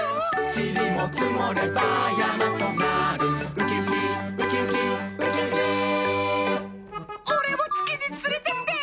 ちりもつもればやまとなるウキウキウキウキウキウキおれもつきにつれてって！